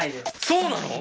そうなの？